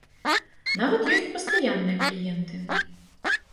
Нават ёсць пастаянныя кліенты.